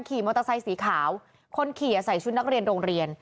ขี่มอเตอร์ไซค์สีขาวคนขี่ใส่ชุดนักเรียนโรงเรียน